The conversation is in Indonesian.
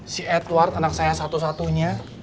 si edward anak saya satu satunya